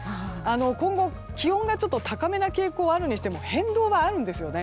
今後、気温が高めな傾向があるにしても変動はあるんですよね。